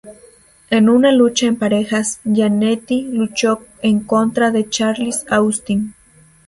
En una lucha en parejas, Jannetty luchó en contra de Charles Austin.